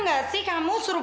aduh aduh aduh